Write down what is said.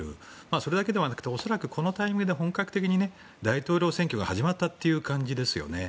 それだけではなくて恐らくこのタイミングで本格的に大統領選挙が始まったという感じですよね。